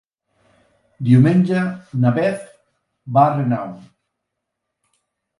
Diumenge na Beth va a Renau.